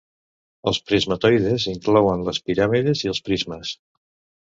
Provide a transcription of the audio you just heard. Els prismatoides inclouen les piràmides i els prismes.